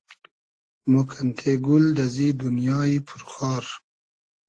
مۉ کئنتې گول دئزی دونیایی پور خار